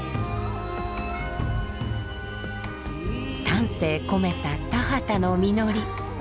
丹精込めた田畑の実り。